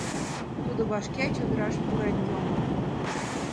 Тудо вашке чодыраш пурен йомо.